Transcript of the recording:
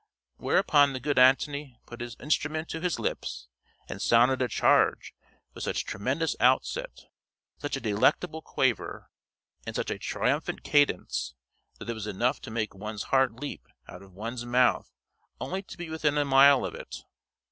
Whereupon the good Antony put his instrument to his lips, and sounded a charge with such tremendous outset, such a delectable quaver, and such a triumphant cadence, that it was enough to make one's heart leap out of one's mouth only to be within a mile of it.